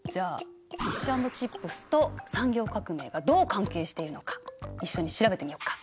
フィッシュ＆チップスと産業革命がどう関係しているのか一緒に調べてみようか。